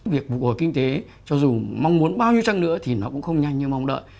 việc phục hồi kinh tế cho dù mong muốn bao nhiêu trăng nữa thì nó cũng không nhanh như mong đợi